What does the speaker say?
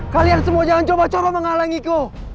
kalian semua jangan coba coba menghalangiku